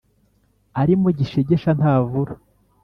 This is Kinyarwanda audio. ”arimo gishegesha ntavura